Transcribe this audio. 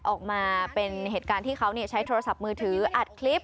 ออกมาเป็นเหตุการณ์ที่เขาใช้โทรศัพท์มือถืออัดคลิป